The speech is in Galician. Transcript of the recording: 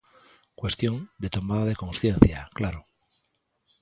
Cuestión de tomada de consciencia, claro.